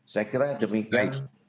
saya kira demikian